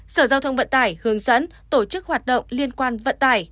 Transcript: sở giao thông vận tải hướng dẫn tổ chức hoạt động liên quan vận tải